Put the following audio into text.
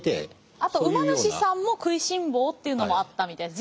あとは馬主さんも食いしん坊というのもあったみたいです。